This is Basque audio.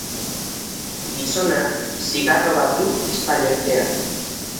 Gizonak zigarro bat du ezpain artean.